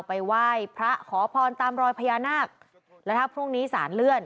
ไปไหว้พระขอพรตามรอยพญานาคแล้วถ้าพรุ่งนี้สารเลื่อน